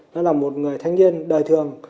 nó là một người thanh niên đời thường